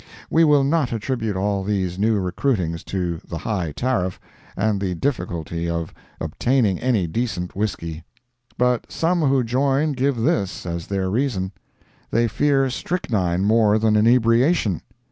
We will not attribute all these new recruitings to the high tariff, and the difficulty of obtaining any decent whiskey. But some who join give this as their reason. They fear strychnine more than inebriation.